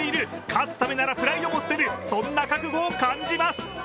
勝つためならプライドも捨てる、そんな覚悟も感じます。